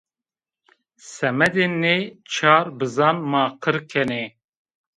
Semedê nê çar bizan ma qir kenê